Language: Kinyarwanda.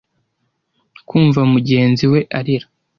kumva mugenzi we arira